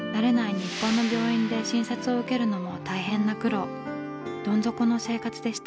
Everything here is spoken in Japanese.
日本の病院で診察を受けるのも大変な苦労。